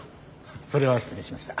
それは失礼しました。